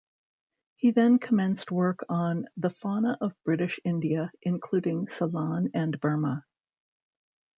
He then commenced work on "The Fauna of British India, Including Ceylon and Burma".